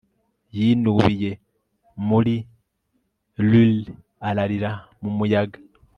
Yinubiye muri lyre ararira mu muyaga